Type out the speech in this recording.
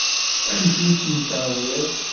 Amek i ten-terriḍ?